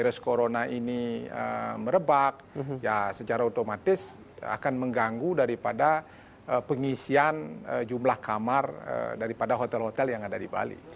virus corona ini merebak ya secara otomatis akan mengganggu daripada pengisian jumlah kamar daripada hotel hotel yang ada di bali